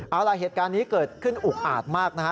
เอาล่ะเหตุการณ์นี้เกิดขึ้นอุกอาจมากนะฮะ